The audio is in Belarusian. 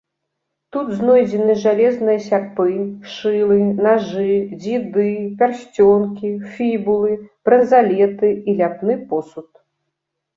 Тут знойдзены жалезныя сярпы, шылы, нажы, дзіды, пярсцёнкі, фібулы, бранзалеты і ляпны посуд.